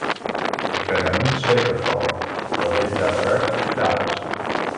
Ik ben er niet zeker van dat dit daadwerkelijk gedaan is.